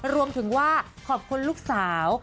รวมถึงว่าขอบคุณลูกสาว